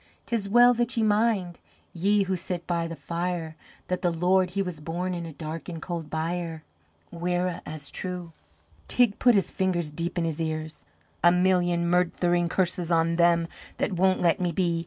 'Tis well that ye mind ye who sit by the fire That the Lord he was born in a dark and cold byre. Mhuire as truagh!" Teig put his fingers deep in his ears. "A million murdthering curses on them that won't let me be!